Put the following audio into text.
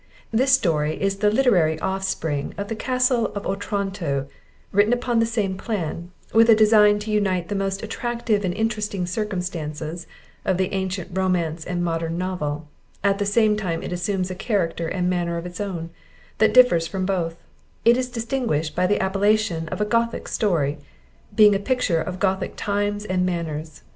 This Story is the literary offspring of The Castle of Otranto, written upon the same plan, with a design to unite the most attractive and interesting circumstances of the ancient Romance and modern Novel, at the same time it assumes a character and manner of its own, that differs from both; it is distinguished by the appellation of a Gothic Story, being a picture of Gothic times and manners.